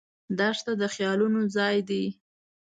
دښته د خیالونو ځای دی.